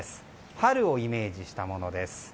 春をイメージしたものです。